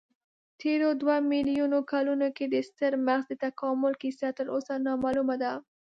تېرو دوو میلیونو کلونو کې د ستر مغز د تکامل کیسه تراوسه نامعلومه ده.